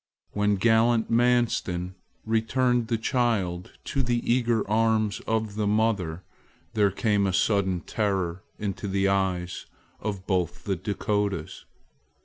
When gallant Manstin returned the child to the eager arms of the mother there came a sudden terror into the eyes of both the Dakotas.